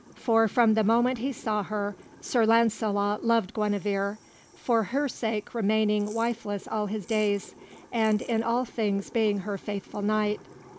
For, from the moment he saw her, Sir Launcelot loved Guenevere, for her sake remaining wifeless all his days, and in all things being her faithful knight.